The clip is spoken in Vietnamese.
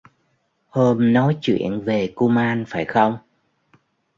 hôm nói chuyện về kuman phải không